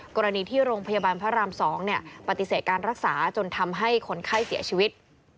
กรณีที่โรงพยาบาลพระราม๒ปฏิเสธการรักษาจนทำให้คนไข้เสียชีวิต